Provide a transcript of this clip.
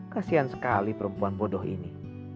kasian sekali perempuan bodoh ini